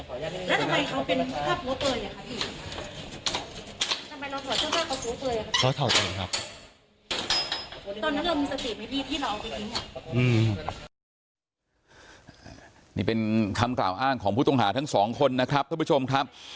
นี่เป็นคำกล่าวอ้างของผู้ต้องหาทั้งสองคนนะครับท่านผู้ชมครับ